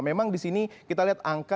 memang di sini kita lihat angka